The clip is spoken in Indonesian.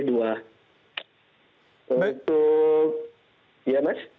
untuk ya mas